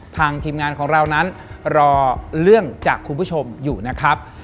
ทีมงานของเรานั้นรอเรื่องจากคุณผู้ชมอยู่นะครับ